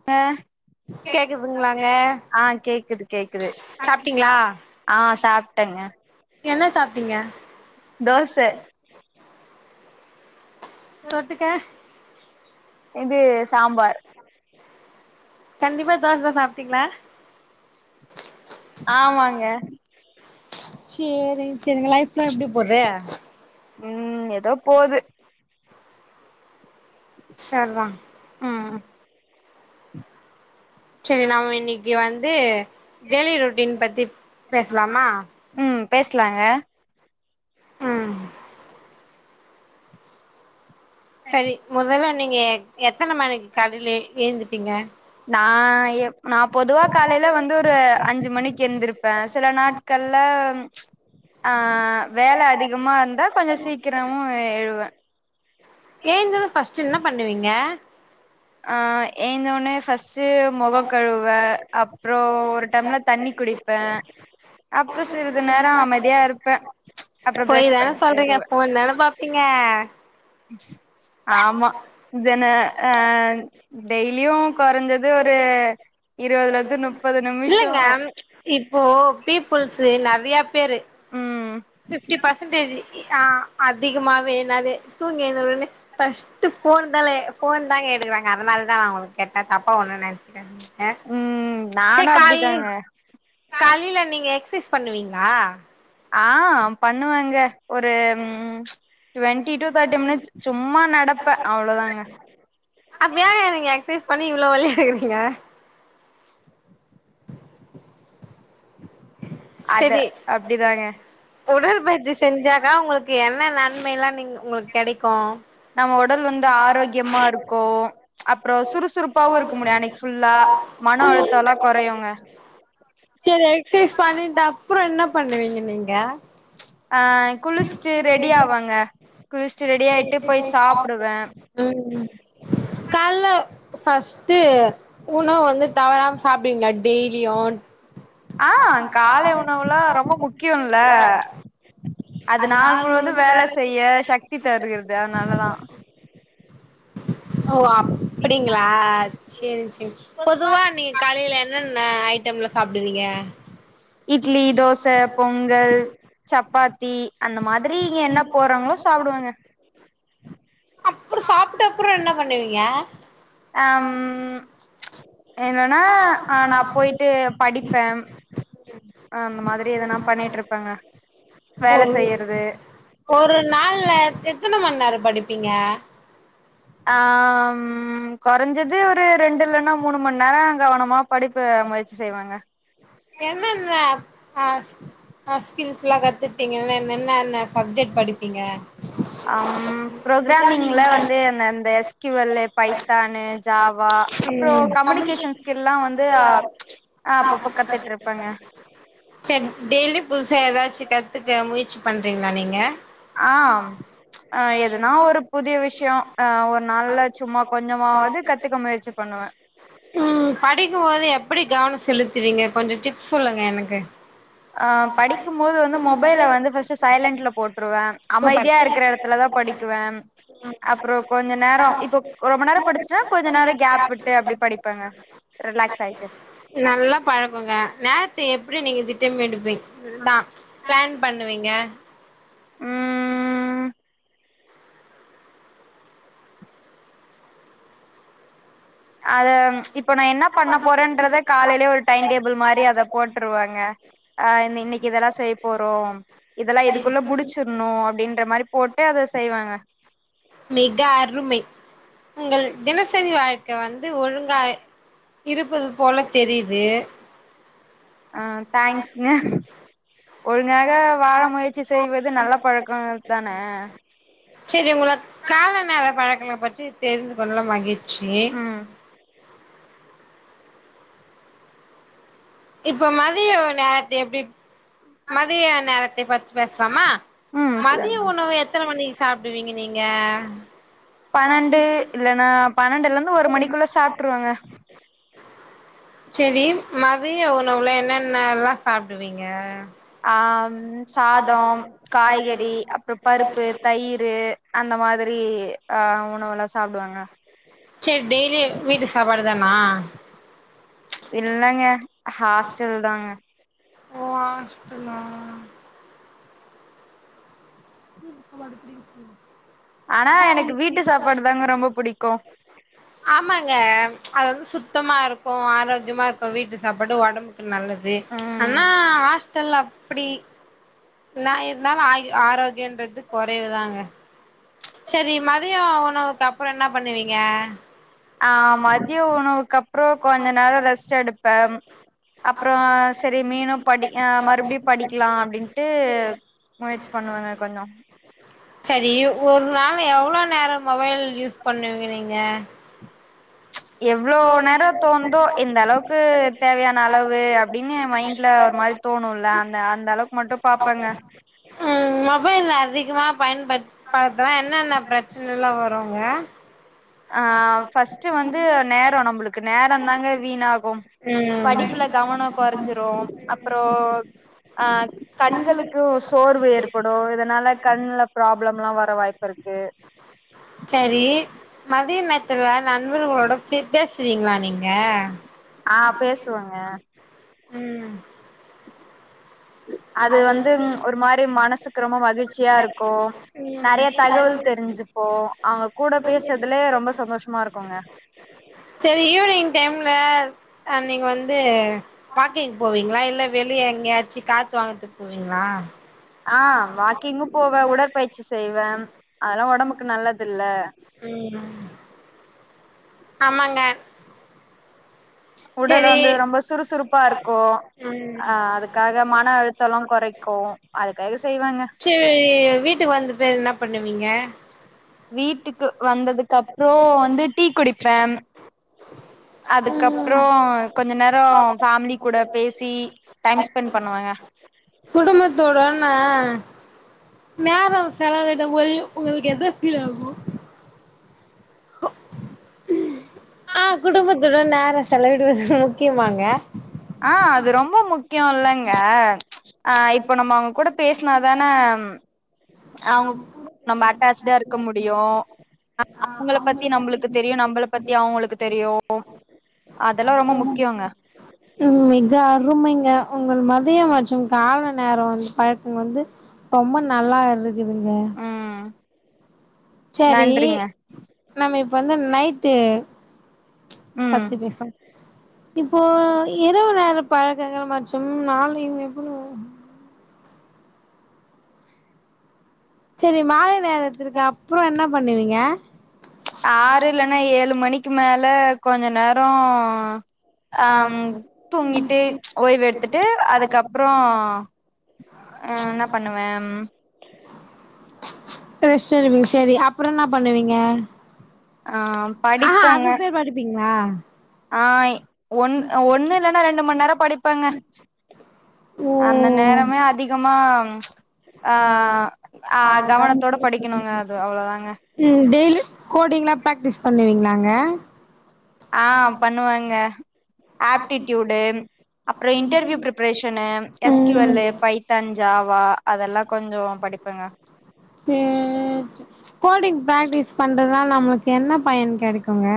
க்க கேக்குதா கேக்குதுங்களாங்க ஆ கேக்குது கேக்குது சாப்டிங்ளா சாப்ட்டீங்களா ஆ சாப்ட்டேங்க என்ன சாப்ட்டீங்க தோச தொட்டுக்க இது சாம்பார் கண்டிப்பா தோச சாப்ட்டீங்ளா ஆமாங்க சேரி சேரிங்க லைஃப்லா எப்டி போது ம் எதோ போது சர்தா ம் சேரி நம்ம இன்னிக்கி வந்து டெய்லி ரொட்டீன் பத்தி பேசலாமா ம் பேசலாங்க ம் சரி மொதல்ல நீங்க எ எத்தன மணிக்கி காலயில ஏந்துப்பீங்க நா எப் நா பொதுவா காலைல வந்து ஒரு அஞ்சு மணிக்கு எந்திருப்பே சில நாட் கள்ள அ வேல அதிகமா இருந்தா கொஞ்சோ சீக்கீ ரமு எழுவ ஏந்தது ஃபர்ஸ்ட்டு என்ன பண்ணுவீங்க அ எந்தொனே ஃபர்ஸ்ட்டு மொகக்கழுவ அப்றோ ஒரு டம்ளர் தண்ணி குடிப் ப்பே அப்றோ சிறிது நேரோ அமதியா இருப்பே அப்புறோ பொய் பிரஷ் தான பண்ட்டு சொல்றீங்க வருவே ஃபோன் தான பாப்பீங்க ஆமா இதன அங் டெய்லியு கொறஞ்சது ஒரு இருவதுலந்து நுப் இல்லங்க இப்போ பீப்புள்ஸு நெறையா பேரு ம் பிப்டி பர்சன்டேஜ் ஆ அதிகமாவே என்னாது தூங்கி ஏந்த உடனே ஃபர்ஸ்ட் போன் தாலே ஃபோன் தாங்க எடுக்றாங்க அதனாலதா நா ஒங்கள கேட்ட தப்பா ஒண்ண நெனச்சிக்காதிங் க ம் சேரி நானு கால் அப்டிதாங்க காலில நீங்க எக்சைஸ் பண்ணுவீங்களா ஆ பண்ணுவங்க ஒரு ம் டு்வென்ட்டி டூ தேர்ட்டி மினிட்ஸ் சும்மா நடப்ப அவ்ளோதாங்க அப்ப ஏங்க நீங்க எக்சைஸ் பண்ணி இவ்ளோ ஒல்லியா இருக்கிறீங்க அது சேரி அப்டிதாங்க உடற்பயிற்சி செஞ்சாக்கா ஒங்களுக்கு என்ன நன்மை எல்லா நீங்க ஒங்களுக்கு கெடைக்கு நம்ம ஒடல் வந்து ஆரோக்யமா இருக்கு அப்றோ சுறுசுறுப்பாவு இருக் முடியு அன்னக் ஃபுல்லா மன புரில அழுத்தோல்லா கொறையுங்க சரி எக்சைஸ் பண்ணிட்டு அப்றோ என்ன பண்ணுவீங்க நீங்க அ குளிச்ட்டு ரெடி ஆவங்க குளிச்டு ரெடி ஆய்ட்டு போயி சாப்டுவ ம் கால்ல ஃபஸ்ட்ட் உணவ வந்து தவறாம சாப் டிங்களா டெய்லியு ஆ கால உணவுலா ரொம்ப முக்கியோல்ல அது நாள் முழுவது வேல செய்ய சக்தி தருகிறது அதனாலதா ஓ அப்டிங்களா சேரி சேரி பொதுவா நீன் காலேல என்னென்ன ஐட்டம்லா சாப்டுவீங்க இட்லி தோச பொங்கல் சப்பாத்தி அந்த மாதிரி இங்க என்ன போட்றாங்களோ சாப்டுவேங்க அப்றோ சாப்ட அப்றோ என்ன பண்ணுவீங்க அம் என்னன்னா நா போயிட்டு படிப்பே அந்த மாதிரி எதனா பண்ணிட்டு இருப்பேங்க வேல செய்யறது ஒரு நாள்ல எத்தன மணி நேரோ படிப்பீங்க ஆம் கொறஞ்சது ஒரு ரெண்டு இல்லன்னா மூணு மணி நேரோ கவனமா படிப்ப முயற்சி செய்வேங்க என்னென்ன அப் ஆஸ் அ ஸ்கில்ஸ் லா கத்துப்பீங்கன என்னென்ன சப்ஜெக்ட் படிப்பீங்க அம் ப்ரோக்ராமிங்ல வந்து அந்தந்த எஸ்கியுவல்லு பைத்தானு ஜாவா அப்பறோ கம்யூனிகேஷன் ஸ்கில்லா வந்து ஆ அப்பப்போ கத்துட்ருப்பேங்க சேரி டெய்லி புதுசா ஏதாச்சு கத்துக்க முயற்சி பண்றீங்களா நீங்க ஆம் அ எதுனா ஒரு புதிய விஷயோ அ ஒரு நாள்ல சும்மா கொஞ்சமாவது கத்துக்க முயற்சி பண்ணுவே ஆஹ [inaudible] ம் படிக்குபோது எப்டி கவனம் செலுத்துவீங்க கொஞ்ச டிப்ஸ் சொல்லுங்க எனக்கு ஆ படிக்கு போது வந்து மொபைல வந்து ஃபஸ்ட்டு சைலண்ட்ல போட்ருவே சூப்பர் அமைதியா இருக்குற எடத்துல தா படிக் குவே ன் அப்பறோ கொஞ்ச நேரோ இப்போ ஒரு மணி நேரே படிச்சுடா கொஞ்ச நேரோ கேப் விட்டு அப்டி படிப்பேங்க ரிலாக்ஸ் ஆய்ட்டு நல்லா பழக்கோங்க நேரத்த எப்டி நீங்க திட்டமிடுப்பீங் விரும்பா பிளான் பண்ணுவீங்க ம் அத இப்ப நா என்ன பண்ண போறேன்றத காலேலயே ஒரு டைம் டேபிள் மாரி அத போட்ருவாங்க ஆ இன்னைக் இன்னைக்கி இதெல்லா செய்ய போறோ இதெல்லா இதுக்குள்ள முடிச்சிருணு அப்டின்ற மாரி போட்டு அத செய்வேங்க மிக அருமை நீங்கள் தினசரி வாழ்க்க வந் து ஒழுங்கா இருப்பது போல தெரியுது ஆ தேங்க்ஸ்ங்க ஒழுங்காக வாழ முயற்சி செய்வது நல்ல பழக்கங்கள் தான சேரி உங்களா கால நேர பழக்கங்க பற்றி தெரிந்து கொள்ளல மகிழ்ச்சி ம் இப்ப மதிய நேரத்து எப்டி மதிய நேரத்தை பச்சு பேசலாமா ம் மதிய உண உணவு எத்தன மணிக்கு சாப்டுவீங்க நீங்க பன்னெண்டு இல்லனா பன்ரெண்டு லருந்து ஒரு மணிக்குள்ள சாப்பிட்ருவேங்க சேரி ம திய உணவுல என்னென்ன எல்லா சாப்டுவீங்க ஆ ம் சாதோ காய்கறி அப்பறோ பருப்பு தயிரு அந்த மாதிரி ஆ உணவுலா சாப்டுவேங்க சேரி டெய்லி வீட்டு சாப்பாடு தானா இல்லங்க ஹாஸ்டல் தாங்க ஓ ஹாஸ்டலா வெளியூர் சாப்பாடு புடிக்கிறது இல்ல ஆனா எனக்கு வீட்டு சாப்பாடு தாங்க ரொம்ப பிடிக்கு ஆமாங்க அது வந்து சுத்தமா இருக்கும் ஆரோக்கியமா இருக்கும் வீட்டு சாப்பாட்டு உடம்புக்கு நல்லது ம் ஆனா ஹாஸ்டல் அப்டி நா இருந்தாலும் ஆ ஆரோக்கியன்றது குறைவுதாங்க சரி மதியம் உணவுக்கு அப்பறம் என்ன பண்ணுவீங்க ஆ மதியம் உணவுக்கு அப்பறம் கொஞ்ச நேரம் ரெஸ்ட் எடுப்பே அப்புறம் சரி மீனும் படி ஆ மறுபடியும் படிக்கலாம் அப்படின்ட்டு முயற்சி பண்ணுவாங்க கொஞ்ச சரி ஒரு நாள் எவ்ளோ நேரம் மொபைல் யூஸ் பண்ணுவீங்க நீங்க எவ்ளோ நேரம் தோணுதோ இந்த அளவுக்கு தேவையான அளவு அப்படின்னு ஏ மைன் ல ஒரு மாரி தோணும்ல்ல அந்த அந்த அளவுக்கு மட்டும் பாப்பங்க உம் மொபைல் அதிகமா பயன்படு த்துனா என்னென்ன பிரச்சனை எல்லா வருங்க ஆ ஃபர்ஸ்ட்டு வந்து நேரம் நம்மளுக்கு நேரந்தாங்க வீணாகும் படிப்புல கவனம் குறைஞ்சிரும் அப்பறம் ஆ கண்களுக்கு சோர்வு ஏற்படும் இதனால கண்ல ப்ராப்ளம்ல்லா வரு வாய்ப்பு இருக்கு சரி மதிய நேத்துல நண்பர்களோட பேசுவீங்களா நீங்க ஆ பேசுவங்க உம் அது வந்து ஒரு மாதிரி மனசுக்கு ரொம்ப மகிழ்ச்சியா இருக்கு நிறைய தகவல் தெரிஞ்சுப்போ அவங்க கூட பேசுறதுலே ரொம்ப சந்தோஷமா இருக்குங்க சரி ஈவினிங் டைமில் நீங்க வந்து வாக்கிங் போவீங்களா இல்ல வெளியே எங்கயாச்சு காத்து வாங்கறதுக்கு போவீங்களா ஆ வாக்கிங்கும் போவே உடற்பயிற்சி செய்வே அதெல்லா உடம்புக்கு நல்லது இல்ல உம் ஆமாங்க உடல சரி வந்து ரொம்ப சுறுசுறுப்பா இருக்கும் ம் அ அதுக்காக மன அழுத்தலா குறைக்கு அதுக்காக செய்வங்க சரி வீட்டுக்கு வந்த பேர் என்ன பண்ணுவீங்க வீட்டுக்கு வந்ததுக்கு அப்புறம் வந்து டீ குடிப்பே அதுக்கப்புறம் கொஞ்ச நேரம் ஃபேமிலி கூட பேசி டைம் ஸ்பெண்ட் பண்ணுவங்க குடும்பத்தோட நா நேரம் செலவிட போத உங்களுக்கு எத ஃபீல் ஆகும் ஆ குடும்பத்தட நேரம் செலவிடுவது முக்கியமாங்க ஆ அது ரொம்ப முக்கியம் இல்லங்க ஆ இப்ப நம்ம அவங்க கூட பேசினாதானே அவங்க கூட கொஞ்ச நம்ம அட்டாச்டா பேசுத இருக்க முடியு வரைக்கு ஆ அவங்கள பத்தி நம்மளுக்கு தெரியு நம்மளை பத்தி அவங்களுக்கு தெரியும் அதெல்லா ரொம்ப முக்கியங்க ச உ மிக அருமைங்க உங்கள் மதியம் மற்றும் கால நேரம் வந்து பழக்க வந்து ரொம்ப நல்லா இருக்குதுங்க ம் சரி நன்றிங்க நம்ம இப்ப வந்து நைட்டு ம் பத்து பேசா இப்போ இரவு நேர பழக்கங்கள் மற்று நாளை எப்படி சரி மாலை நேரத்துருக்கு அப்பற என்ன பண்ணுவீங்க ஆறு இல்லன்னா ஏழு மணிக்கு மேல கொஞ்ச நேரோ ஆம் தூங்கிட்டு ஓய்வு எடுத்துட்டு அதுக்கப்பறோ ஆ என்னா பண்ணுவே சரி சரி அப்பறோ என்ன பண்ணுவீங்க ஆ ஆஹா அதுக்கு பேர் படிப்பீங்களா ஆய் ஒன்னு இல்லைன்னா ரெண்டு மண்நேர படிப்பாங்க அந்த ஓ நேரமே அதி அதிகமா ஆஹ் அ கவனத்தோட படிக்கணுங்க அது அவ்வளோதாங்க ம் டெய்லி கோடிங்லா ப்ராக்டிஸ் பண்ணுவீங்களாங்க ஆ பண்ணுவங்க ஆப்ட்டிடியூடு அப்பற இன்டர்வியூ பிரப்ரேஷன்னு எஸ்கூல்ல பைத்தன் ஜாவா அதெல்லா கொஞ்சோ படிப்பங்க ம் ம் ம் கோடிங் ப்ராக்டிஸ் பண்றதுனா நம்மளுக்கு என்ன பயன் கெடைக்குங்க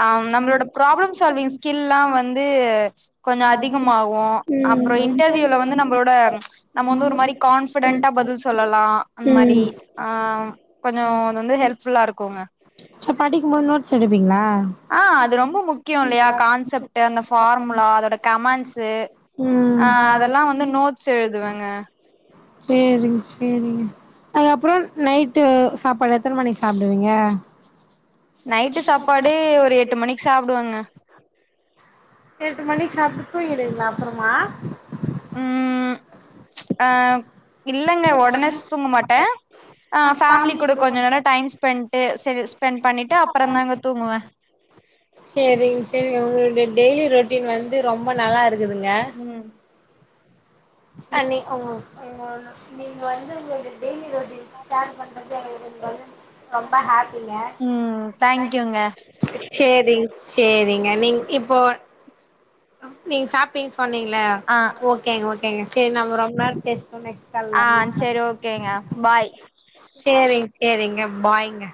ஆ நம்ளோட ப்ராப்ளம்ஸ் சவிங் ஸ்கில்ல்லா வந்து கொஞ்சோ அதிகமாகு ம் அப்பற இன்டர்வியூல வந்து நம்மளோட நம்ம வந்து ஒரு மாரி கான்பிடென்டா பதில் சொல்லலா அந்த மாரி ம் ஆம் கொஞ்ச அது வந்து ஹெல்ப்ஃபுல்லா இருக்குங்க ச படிக்கு முன்ன நோட்ஸ் எடுப்பீங்களா ஆ அது ரொம்ப முக்கியோ இல்லையா கான்செப்ட்டு அந்த ஃபார்முலா அதோட கமண்ட்ஸ்சு ம் ஆ அதெல்லா வந்து நோட்ஸ் எழுதுவங்க சேரிங்க சேரிங்க அதுக்கப்பறோ நைட்டு சாப்பாடு எத்தனை மணிக்கு சாப்டுவீங்க நைட்டு சாப்பாடு ஒரு எட்டு மணிக்கு சாப்புடுவங்க அ எட்டு மணிக்கு சாப்பிட்டு தூங்கிடுங்க அப்பறமா ம் [inaudible] ஆ இல்லங்க ஒடனே தூங்க மாட்டே ஆ ஃபேமலி கூட கொஞ்ச நேர டைம் ஸ்பெண்ட்டு சே ஸ்பெண்ட் பண்ணிட்டு அப்பறதாங்க தூங்குவே சரிங்க சரி உங்களுடைய டெய்லி ரொட்டீன் வந்து ரொம்ப நல்லாருக் இருங்க ம் அண்ணி [unintelligible] ஆமா ன்ஸ் நீங்க வந்து டெய்லி ர ஷேர் பண்றது [unintelligible] ரொம்ப ஹாப்பிங்க ம் தங் தேங்க்யூங்க சேரிங் சேரிங்க நீ இப் போ நீங்க சாப்பிட்டீங்க சொன்னீங்கள ஆ ஓ ஓங்க கேங்க சரி நம் ரொம்ப நேம் பேசிட்டோ நெஸ்ட் ஆ சரி ஓகேங்க பாய் சேரிங்க சேரிங்க பாய்ங்க